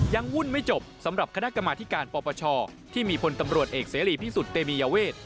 วุ่นไม่จบสำหรับคณะกรรมาธิการปปชที่มีพลตำรวจเอกเสรีพิสุทธิ์เตมียเวท